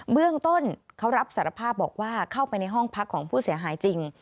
เบื้องต้นเขารับสารภาพบอกว่าเข้าไปในห้องพักของผู้เสียหายจริง